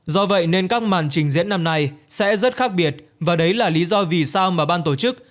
do vậy nên các màn trình diễn năm nay sẽ rất khác biệt và đấy là lý do vì sao mà ban tổ chức